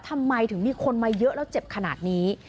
ทำไมถึงมีคนมาเยอะแล้วเจ็บขนาดนี้